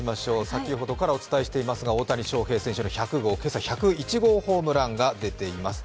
先ほどからお伝えしていますが大谷翔平選手、今朝、１０１号ホームランが出ています。